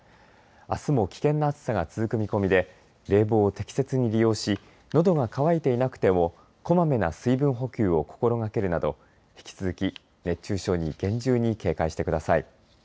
あすも危険な暑さが続く見込みで冷房を適切に利用しのどが渇いていなくても小まめな水分補給を心がけるなど引き続き、熱中症に厳重に警戒してください。